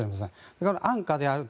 ですから、安価である。